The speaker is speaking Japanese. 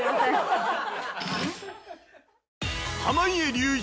濱家隆一